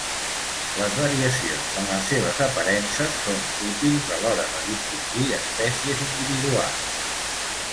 Les variacions en les seves aparences són útils a l'hora de distingir espècies individuals.